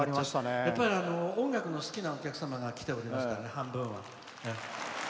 やっぱり音楽の好きなお客様が来ておりますから、半分は。